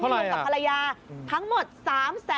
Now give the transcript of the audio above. เงินลงต่อภรรยาทั้งหมด๓๕๙๐๐๐บาท